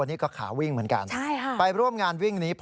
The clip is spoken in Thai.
นี่ก็ขาวิ่งเหมือนกันไปร่วมงานวิ่งนี้